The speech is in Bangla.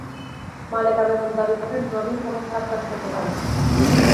মালেকা বেগম দাবি করেন, রবিন কোনো খারাপ কাজ করতে পারে না।